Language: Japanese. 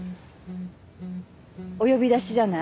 お呼び出しじゃない？